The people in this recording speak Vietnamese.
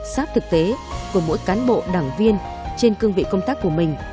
sát thực tế của mỗi cán bộ đảng viên trên cương vị công tác của mình